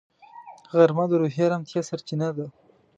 غرمه د روحي ارامتیا سرچینه ده